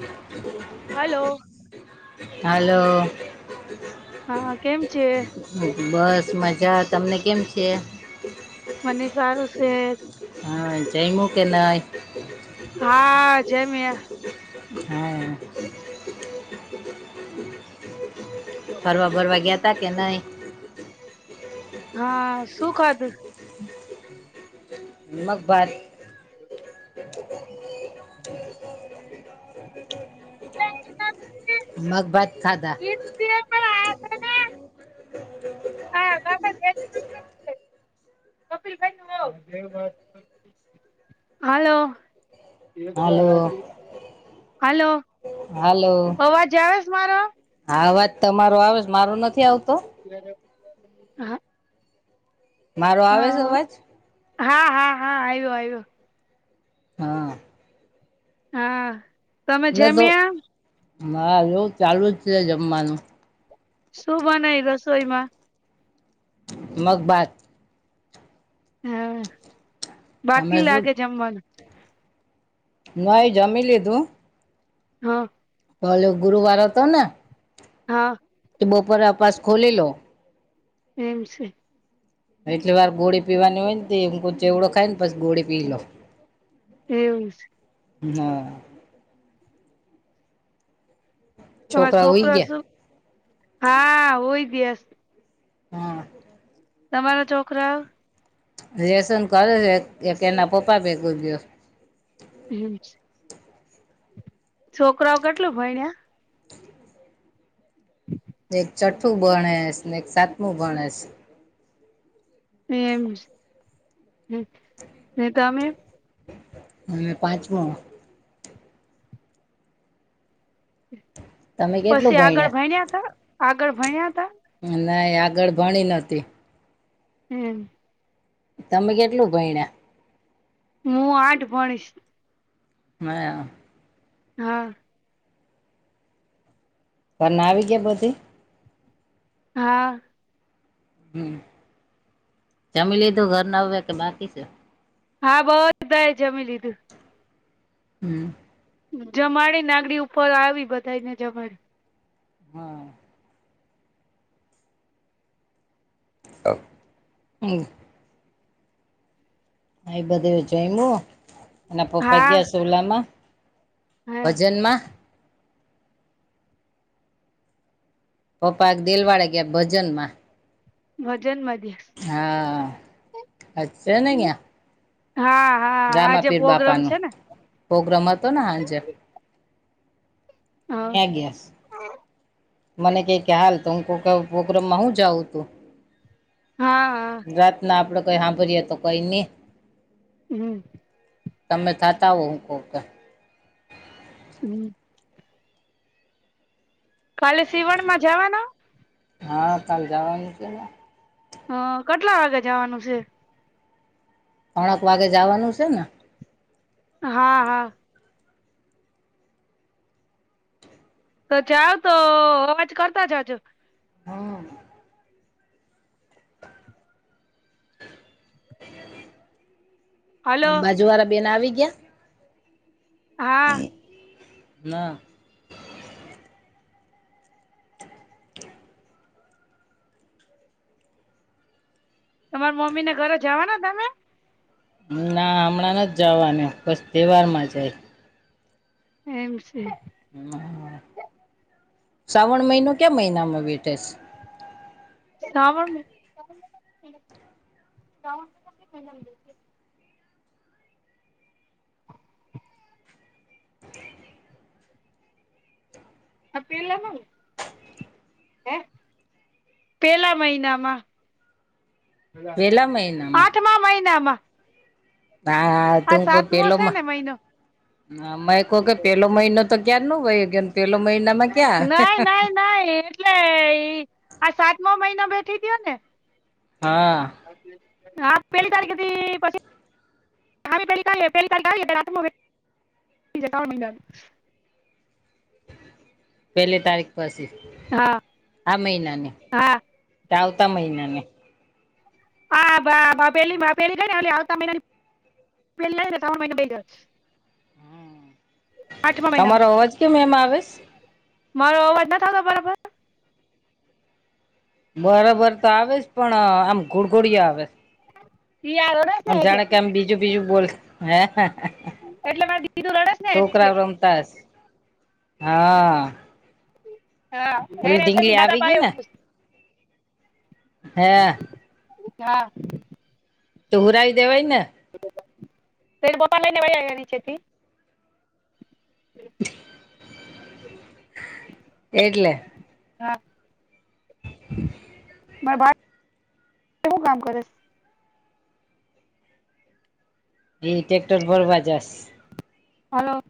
હ. [unintelligible] Hello. Hello. હા, કેમ છે? બસ મજા. તમને કેમ છે? મને સારું છે. હા, જમ્યુ કે નય? હા, જમ્યા. જ [unintelligible] હા. [unintelligible] ફરવા-ભરવા ગયા હતા કે નહીં? હા, શું કરે? મકબારી. હ [unintelligible] મગભાત ખાધા. પણ આ હલો. હાલો હલો, અવાજ આવે છે મારો? આ અવાજ તમારો આવે, મારો નથી આવતો? [unintelligible] મારો આવે છે અવાજ હા હા હા આવ્યો આવ્યો હા હા તમે ને તો, જમ્યા હ, એવું ચાલુ જ છે જમવાનું. શું બનાય રસોઈમાં? મગ ભાત. હા, તમે બાકી શું લાગે જમવાનું. ભાઈ, જમી લીધું. હા. કાલે ગુરુવાર હતો ને? હા તો બપોર અપાસ ખોલેલો એમ છે એટલી વાર ગોળી પીવાની હોય ને એમ ચેવડો ખાય ને પ ગોળી પી લો એવવું છે હ તમારો છોકરા હુઈ છોકરો ગયા શું હા હોય હમ તમારા છોકરા રસન કરે છે એક એના પપ્પા ભેગું ગયો હમ છોકરાઓ કેટલું ભયળા [inaudible] ને એક ચઠ્ઠું ભણેસ ને એક સાતમું ભણેસ એ એમ હ ત અમે હ પાંચમો તમે કેટલું પછી આગળ ભણ્યા તા આગળ ભણ્યા તા? ના આગળ ભણી નહોંતી હમ. તમે કેટલું ભયણા? હું આઠ ભણીશ. હ. હા. ઘર ના આવી ગયા બધી હા. હમ જમી લીધું ઘર ના હવે કે બાકી છે? હા બધા જમી લીધું હમ. જમાડી નાગડી ઉપર આવી બધાને જમાડ. હા. ઓ હમ્મ હ એ બધું જોઈમું અને પપા હા ગયા સોલામાં હા ભજનમાં. પપા દિલવાડા ગયા ભજનમાં ભજન મા ગયાં છે હા અચોને હીંયા. હા હા આ જે બાપા પ્રોગ્રામ નું છે ને? પ્રોગ્રામ હતોને હાંજે હ ન્યા ગયાસ. મને કે કે હાલ તો હું ક કેઉ પ્રોગ્રામ હું જાઉ તું હા. રાત ના આપડે કઈ હાભરીએ તો કઈ ની હમ. તમે થતા હો હું કોક [inaudible] કાલે સીવણ માં જવાના? હા કાલ જવાનું છે. હ કેટલા વાગે જવાનું છે? ત્રણેક વાગે જવાનું છે, ને હા હા. તો જાઓ તો અવાજ કરતા જાજો હમ. હલો બાજુ વાળા બેન આવી ગયા? હા. ના. તમાર મમ્મીને ઘરે જાવાના તમે? ના હમણાં ન જ જવાનું પછ તહેવાર માં જાય એમ છે. હ શ્રાવણ મહિનો કયા મહિનામાં બેઠે છે? [inaudible] અ પેલામા હે પેલા મહિનામાં વેલા મહિનામાં આઠમા મહિનામાં હા આ તું કો સાતમો પેલો છે મ ને મહિનો મે કવ કે પેલો મહિનો તો ક્યારનો વયો ગયો પેલો મહિનામાં ક્યાં નઈ નઈ નઈ એટલે આ સાતમો મહિના બેઠી થયો ને? હા. હા પેલી તારીખેથી પછી [inaudible] પેલી તારીખ પછી હા આ મહિનાને હા આવતા મહિના ને આ ભા પહેલી પહેલી ગઈને એલી આવતા મહિનાની પેલી આથી ત્રણ મહીનો [unintelligible] આઠમા મહિનામાં તમારો અવાજ કેમ એમ આવેસ? મારો અવાજ નથ આવતો બરાબર બરાબર તો આવેસ પણ આમ ઘુડઘોડિયા આવે [inaudible] આમ જાણે કે આમ બીજું બીજું બોલ હે એટલે મારી દીધું લડેસ ને એટલે તાસ હા. હા ઓલી [unintelligible] ઢીંગલી એથી આવી દાદા ગઈ ને એવું હે. હા. હુરાઈ દેવાઈને? તે પોતાન લ [unintelligible] નીચેથી [inaudible] એટલે હા. [inaudible] મારા ભા કેવું કામ કરે એ ટ્રેક્ટર ભરવા જાસ હલો. !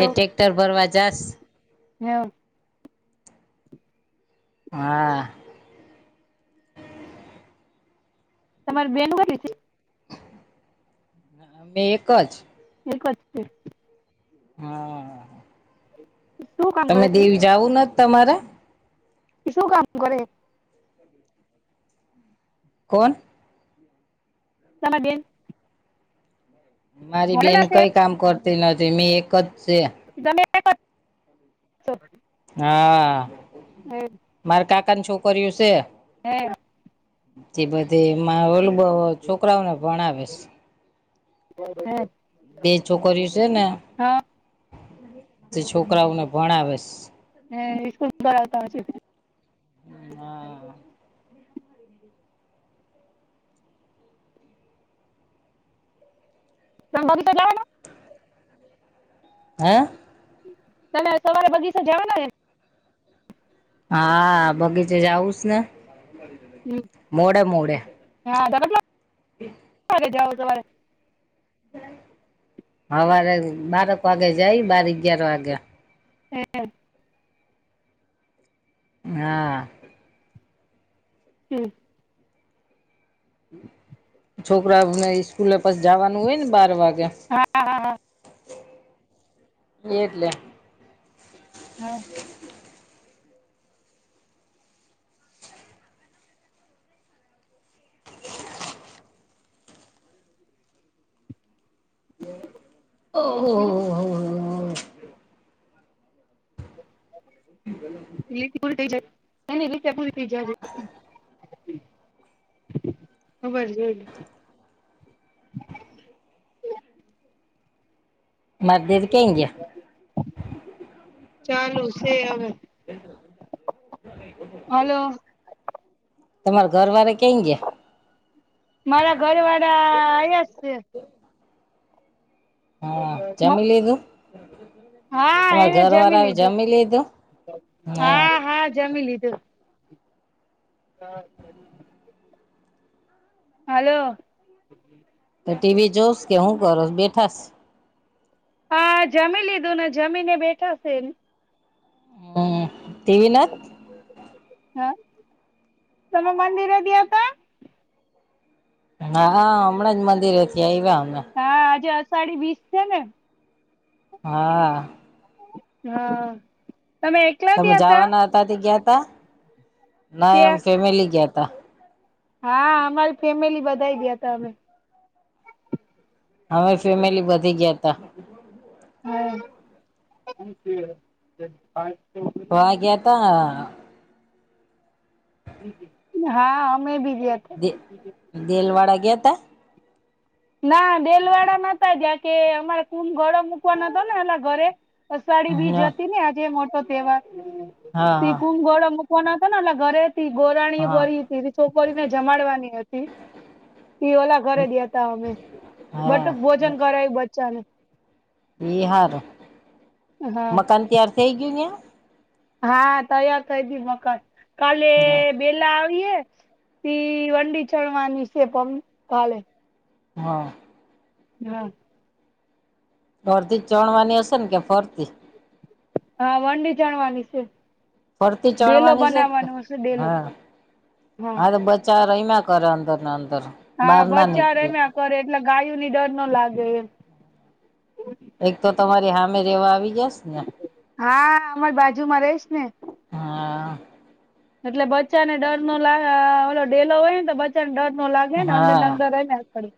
એ ટેક્ટર ભરવા જાસ. હું હા. તમારે બેનું કેટલી થી બે એક જ એક જ છે. હા. શું તમે દેવી જાવું ન તમારે એ શું કામ કરે.? [inaudible] કોણ? તમાર બેન મારી બેન ભણેલા છે કઈ કામ કરતી નથી. મેં એક જ છે. તમે કઈ બાજ સો. [inaudible] હા એ મારે કાકાન છોકરીયું સે. હે. તે બધી મા ઓલું છોકરાઓને ભણાવેશ. હે. બે છોકરીઓ છે ને, હા [unintelligible] તે છોકરાઓને ભણાવેસ. હે ઇસ્કુલ ભરાવતા હશે.? તમ [unintelligible] તા લાવના. હે તમે સવારે બગીચા જવાના હે.? હા, બગીચે જાઉ સને મોડે મોડે. હા બરાબર! હ રે જાઓ તમારે હવારે બારક વાગે જાય બાર અગગયાર વાગે. હા હા હમ! છોકરાને ઈસ્કૂલે પછ જવાનું હોય ને બાર વાગે. હા હા હા એ એટલે હા ઓહ હો શી ગ [inaudible] રી પૂરી થઈ જ રીતે પૂરી થઈ જાય. ખબર જો [inaudible] માર દેર કેઈ ગયા? ચાલુ છે હવે. હલો! તમારે ઘર વાળા કઈ ગયા? મારા ઘરવાળા અયા જ છે. હા જમી લીધું? હા તમારે એને ઘરવાળા લીધું જમી લીધું હા? હા હાલો હમ તો ટીવી જોશ કે હું કરોશ બેઠાસ હા જમી લીધું ને જમીને બેઠા છે હ ટીવી નાથ? હા તમે મંદિરે ગ્યા હતા? હા હમણાં જ મંદિરેથી આઈ્યા અમે. હા આજે અષાઢી વીસ છે ને? હા હા તમે એક તમે જવાના હતા તે ગયા તા ના એમ ત્યાં ફેમિલી ગયા ત હા અમારી ફેમિલી બધાઈ ગયા ત અમે હમે ફેમિલી બધી ગયા ત હમ બા ગેતા હા અમે બી જે દ દેલવાડા ગતા ના ડેલવાડા નાતા જ્યા કે અમારે કુંભ ગળો મૂકવાનો હતો ને એના ઘરે અષાઢીબીજ બી હા જ હતી ને આજે મોટો તહેવાર હા કુંભ ઘડો પતોલા ઘરે ગોરાણી હા બ છોપોરીને જમાડવાની હતી પ ઓલા ઘરે દયા મે હા બટુક ભોજન કરાય બચ્ચા ને. હાર હા મકાન તૈયાર થઈ ગયયા. હા તૈયાર થઈ દી મકાન કાલે ન્યા બેેલા આવીએ વંડી ચણવાની છેે પણ કાલે હા હા ફરથી ચણવાની હશેને કે ફરતી? હા વંડી ચણવાની છે. ફરતી ડેલો ચણવાની છે બનાવવાનો હશે ડેલો હા હા તો બસ ચાર અમાં કરે અંદર ને અંદર. હા બહાર ના બચા એમ નીકળી કરે એટલે ગાયો ની ડર ન લાગે એ. એક તો તમારી હામે રેવા આવી જસ ને! હા અમાર બાજુમાં રહીશ ને હા એટલે બચ્ચાને ડર નો લ ઓ ડેલો હોય ને તો બ ચંડર નો લાગે ને અંદર હા અંદર ર ને આડ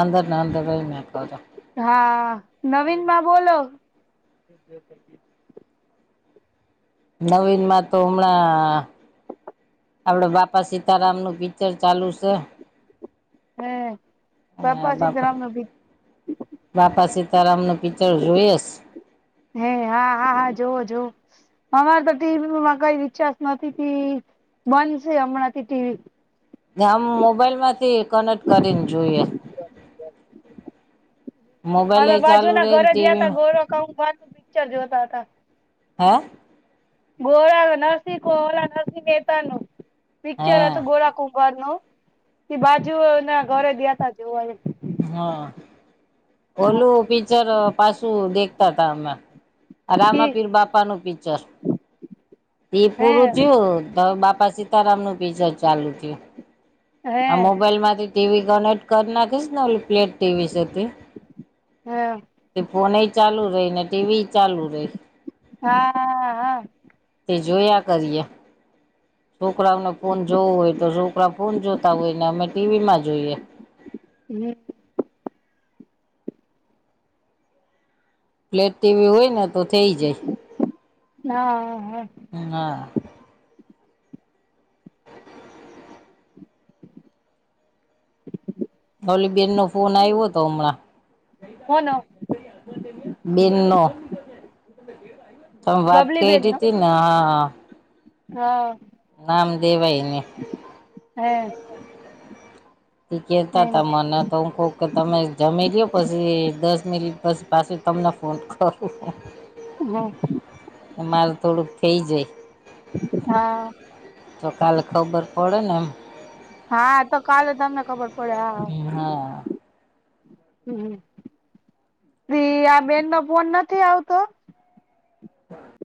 અંદર ને અંદર રમ્યા કરે હા નવીન બોલો. નવીન માં તો હમણાં આપડે બાપા સીતારામ નું પિક્ચર ચાલુ છે. હમ બાપા સધરાામ ભી બાપા સીતારામ ન પિક્ચર જોઈએસ. હે હા હા હા જોવો જો. અમારે તો ટીવી કઈ વિચસ નથી બંધ છે હમણાંથી ટીવી. આમ મોબાઈલ માંથી કનેક્ટ કરીને જોઈએ. મોબાઈલ હમે એ બાજુ ચાલુ ના રહી ને ઘરે દયા હતા ટીવીમાં ગોર કાર નું પિક્ચર જોતા હતા. હા ગોળ નરસિંહલા નરસિંહ મહેતા નું. હે પિક્ચર હતું ગોળા કુંભર નું એ બાજુ ના ઘરે ગયાતા જોવા. હા હા ઓલું પિક્ચર પાછું દેખતા તા અમે. કી રામાપીર બાપાનું પિક્ચર. એ હે પૂરું થયું તો બાપા સીતારામનું પીચર ચાલુ થયું હે આ મોબાઈલ માંથી ટીવી કનેક્ટ કરી નાખીશ ને ઓ પ્લેટ ટીવી સેતે હા. તે ફોન ચાલુ રહી ને ટીવી ચાલુ રહી. હા હા તે જોયા કરીએ. છોકરાઓને ફોન જોવું હોય તો છોકરા ફોન જોતા હોય ને અમે ટીવી માં જોઈએ. હમ પ્લેટ ટીવી હોય ને તો થઈ જાય. હા હા. હ હા. ઓલી બેનનો ફોન આવ્યો તો હમણાં કોનો? બેન નો તમે વાત બબલી બેેન કયરી નો તે ના હા. હા. નામ દેવાયને હે તે કેતા એમ તા મને તો હું કઉ કે તમે જમી લયો પછી દસ મિલીટ પછી પાછું તમને ફોન કરુ હા. એ માલ થોડુંક થઈ જાય હા. તો કાલે ખબર પડે ને એમ હા તો કાલે તમને ખબર પડે હા હમ હા. હમ પી આ બેન નો ફોન નથી આવતો [inaudible]